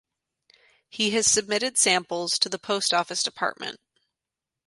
He has submitted samples to the Post Office Department.